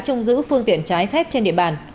trông giữ phương tiện trái phép trên địa bàn